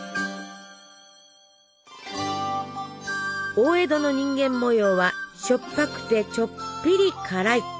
大江戸の人間模様はしょっぱくてちょっぴり辛い。